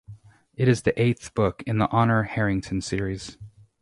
It is the eighth book in the Honor Harrington series.